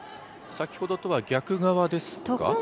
先ほどとは逆側ですか。